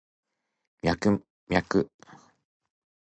ミャクミャク